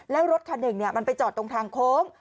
แล้วรถคันหนึ่งมันไปจอดตรงทางโค้ง